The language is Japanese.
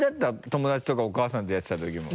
友達とかお母さんとやってた時も。